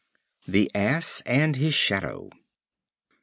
The Ass and his Shadow.